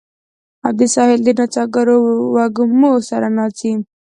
او د ساحل د نڅاګرو وږمو سره ناڅي